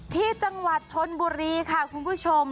ที่จังหวัดชนบุรีค่ะคุณผู้ชม